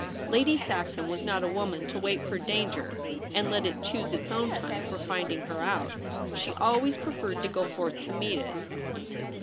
Lady Saxon was not a woman to wait for danorer and let it choose its own time for finding her out. She always preferred to go forth to meet it.